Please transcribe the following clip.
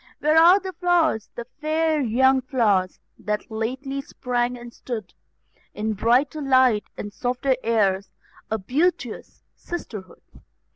Where are the flowers, the fair young flowers, that lately sprang and stood In brighter light, and softer airs, a beauteous sisterhood?